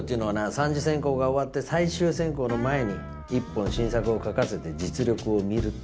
３次選考が終わって最終選考の前に１本新作を書かせて実力を見るっていう仕組みなんだよ。